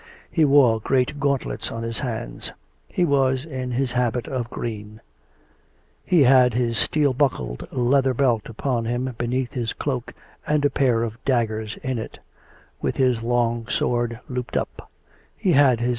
He wore great gauntlets on his hands; he was in his habit of green; he had his steel buckled leather belt upon him beneath his cloak and a pair of daggers in it, with his long sword looped up; he had his 8 4 COME RACK!